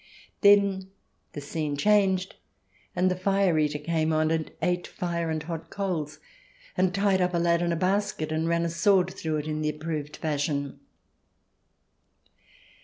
Then the scene changed, and the fire eater came on and ate fire and hot coals, and tied up a lad in a basket and ran a sword through it in the approved fashion.